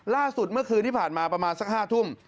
ล่าสุดเมื่อคืนที่ผ่านมาประมาณสัก๕ทุ่ม